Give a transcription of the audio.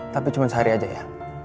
tapi cuma sehari aja ya